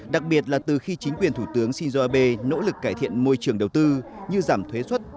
đặc biệt là từ khi chính quyền thủ tướng shinzo abe nỗ lực cải thiện môi trường đầu tư như giảm thuế xuất